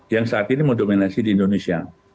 yang saat ini mendominasi di indonesia